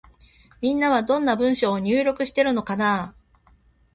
みんなは、どんな文章を入力しているのかなぁ。